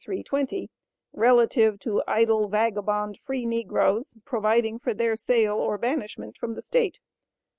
320, relative to idle, vagabond, free negroes, providing for their sale or banishment from the State.